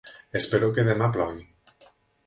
Espero que demà plogui.